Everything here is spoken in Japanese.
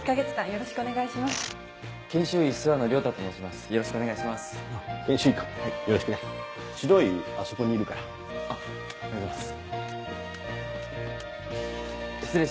よろしくお願いします。